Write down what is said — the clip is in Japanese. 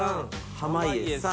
濱家さん。